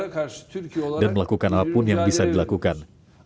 kami akan melakukan apa pun yang bisa dilakukan